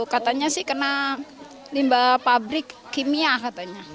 katanya sih kena limbah pabrik kimia katanya